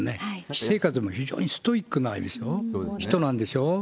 私生活も非常にストイックな人なんでしょう。